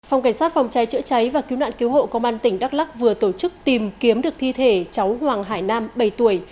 phòng cảnh sát phòng cháy chữa cháy và cứu nạn cứu hộ công an tỉnh đắk lắc vừa tổ chức tìm kiếm được thi thể cháu hoàng hải nam bảy tuổi